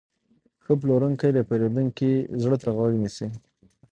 ښه پلورونکی د پیرودونکي زړه ته غوږ نیسي.